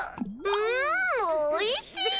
うんおいしい！